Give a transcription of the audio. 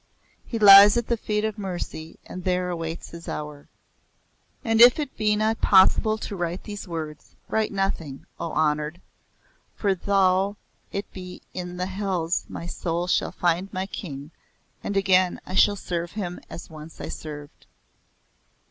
He lies at the feet of Mercy and there awaits his hour.' And if it be not possible to write these words, write nothing, O Honoured, for though it be in the hells my soul shall find my King, and again I shall serve him as once I served."